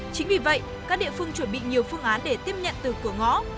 chính vì vậy các địa phương chuẩn bị nhiều phương án để tiếp nhận từ cửa ngõ